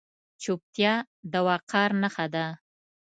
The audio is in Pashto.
چوپتیا، د وقار نښه ده.